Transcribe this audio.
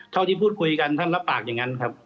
เท่าที่พูดคุยกันท่านรับปากอย่างนั้นครับ